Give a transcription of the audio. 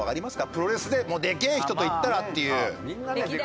プロレスででけえ人といったらっていう。